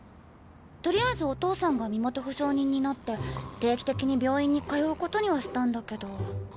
とりあえずお父さんが身元保証人になって定期的に病院に通うことにはしたんだけど。